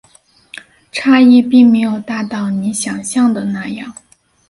差异并没有大到你想像的那样